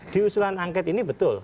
di usulan angket ini betul